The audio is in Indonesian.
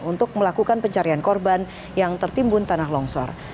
untuk melakukan pencarian korban yang tertimbun tanah longsor